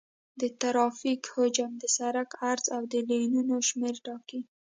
د ترافیک حجم د سرک عرض او د لینونو شمېر ټاکي